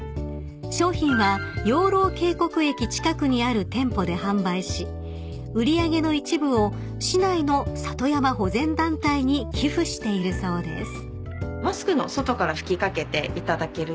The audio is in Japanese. ［商品は養老渓谷駅近くにある店舗で販売し売り上げの一部を市内の里山保全団体に寄付しているそうです］